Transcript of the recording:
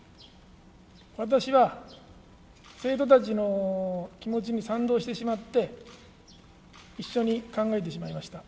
私は生徒たちの気持ちに賛同してしまって、一緒に考えてしまいました。